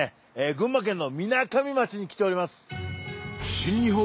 群馬県のみなかみ町に来ております。